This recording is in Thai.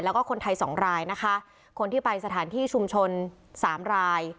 แล้วก็คนไทยสองรายนะคะคนที่ไปสถานที่ชุมชนสามราย